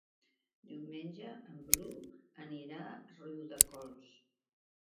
Diumenge en Bru anirà a Riudecols.